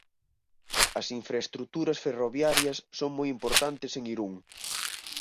As infraestruturas ferroviarias son moi importantes en Irún.